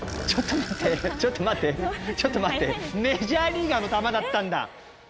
ちょっと待ってちょっと待ってメジャーリーガーの球だったんだ